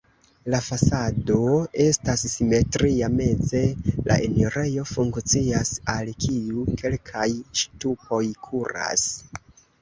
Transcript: La fasado estas simetria, meze la enirejo funkcias, al kiu kelkaj ŝtupoj kuras.